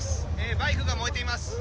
バイクが燃えています。